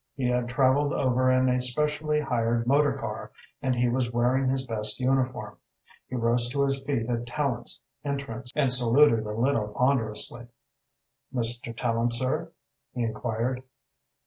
He had travelled over in a specially hired motor car, and he was wearing his best uniform. He rose to his feet at Tallente's entrance and saluted a little ponderously. "Mr. Andrew Tallente, sir?" he enquired.